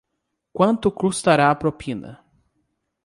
Quanto custará a propina?